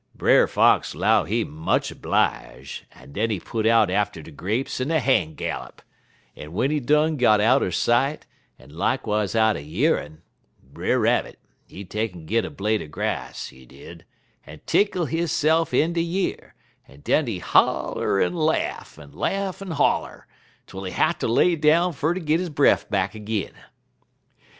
"Brer Fox 'low he much 'blige, en den he put out atter de grapes in a han' gallop, en w'en he done got outer sight, en likewise outer year'n, Brer Rabbit, he take'n git a blade er grass, he did, en tickle hisse'f in de year, en den he holler en laff, en laff en holler, twel he hatter lay down fer ter git he breff back 'gin.